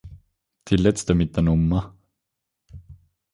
Die letzte mit der Nr.